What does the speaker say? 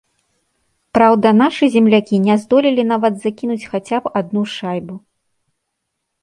Праўда, нашы землякі не здолелі нават закінуць хаця б адну шайбу.